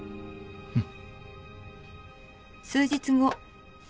うん。